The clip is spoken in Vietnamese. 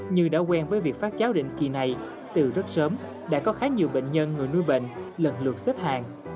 như đã quen với việc phát cháo định kỳ này từ rất sớm đã có khá nhiều bệnh nhân người nuôi bệnh lần lượt xếp hàng